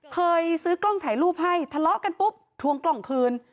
เคยซื้อกล้องถ่ายรูปให้ทะเลาะกันปุ๊บทวงกล่องคืน